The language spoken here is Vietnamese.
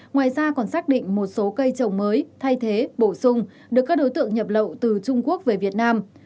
ngoài ra còn xác định một số cây trồng mới thay thế bổ sung được các đối tượng nhập lậu từ trung quốc về việt nam